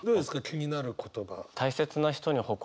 気になる言葉。